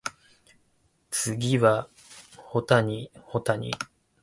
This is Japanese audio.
次は保谷保谷